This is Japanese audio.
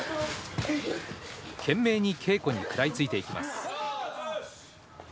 懸命に稽古に食らいついていきます。